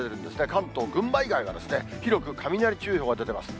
関東・群馬以外は、広く雷注意報が出てます。